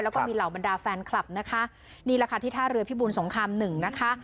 แล้วก็มีเหล่าบรรดาแฟนคลับนะคะนี่แหละค่ะที่ท่าเรือพิบูรสงครามหนึ่งนะคะ